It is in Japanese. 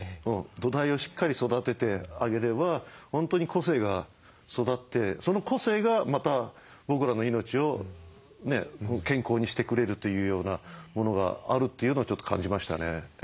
土台をしっかり育ててあげれば本当に個性が育ってその個性がまた僕らの命を健康にしてくれるというようなものがあるというのをちょっと感じましたね。